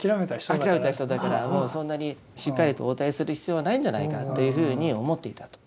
諦めた人だからもうそんなにしっかりと応対する必要はないんじゃないかというふうに思っていたと。